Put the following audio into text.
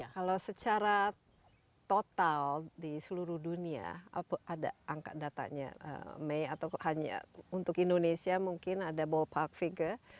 kalau secara total di seluruh dunia ada angka datanya may atau hanya untuk indonesia mungkin ada bopak figure